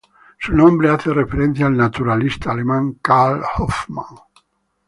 Su nombre hace referencia al naturalista alemán Karl Hoffman.